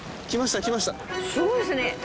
すごいですね！